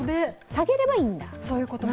下げればいいんだ。